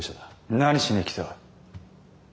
何しに来た？